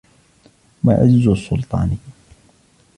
وَعِزُّ السُّلْطَانِ